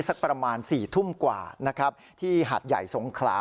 สักประมาณ๔ทุ่มกว่าที่หัดใหญ่ทรงคลา